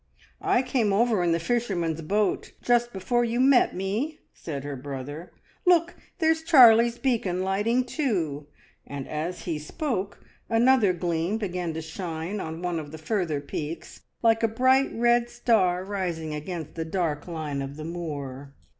"I came over in the fisherman's boat just before you met me," said her brother. "Look! There's Charlie's beacon lighting too," and as he spoke an other gleam began to shine on one of the fiirther peaks like a bright red star rising against the dark line of the moor.